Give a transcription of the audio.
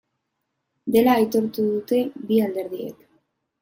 Dela aitortu dute bi alderdiek.